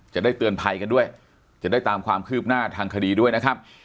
จะได้เตือนภัยกันด้วยจะได้ตามความคืบหน้าทางคดีด้วยนะครับ